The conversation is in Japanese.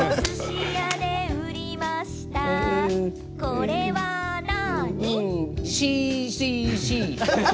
これは何？